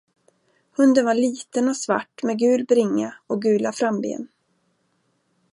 Hunden var liten och svart med gul bringa och gula framben.